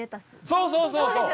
そうそうそうそう！